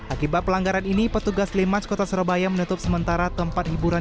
akibat pelanggaran ini petugas limas kota surabaya menutup sementara tempat hiburan